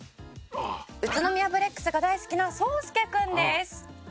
「宇都宮ブレックスが大好きなそうすけ君です」